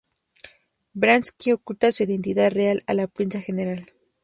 Banksy oculta su identidad real a la prensa general.